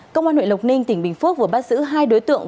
công an huyện lộc ninh tỉnh bình phước vừa bắt giữ hai đối tượng